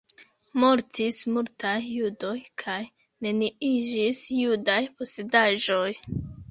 Mortis multaj judoj kaj neniiĝis judaj posedaĵoj.